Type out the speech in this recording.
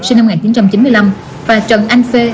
sinh năm một nghìn chín trăm chín mươi năm và trần anh phê